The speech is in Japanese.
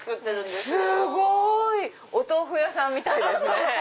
すごい！お豆腐屋さんみたいですね。